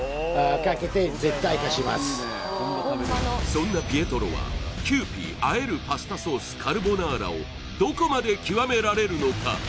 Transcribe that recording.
そんなピエトロはキユーピーあえるパスタソースカルボナーラをどこまで極められるのか